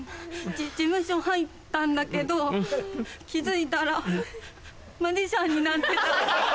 事務所入ったんだけど気付いたらマジシャンになってた。